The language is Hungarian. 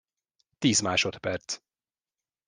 Tíz másodperc.